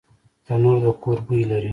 تنور د کور بوی لري